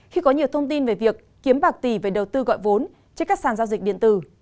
khi có nhiều thông tin về việc kiếm bạc tỷ về đầu tư gọi vốn trên các sàn giao dịch điện tử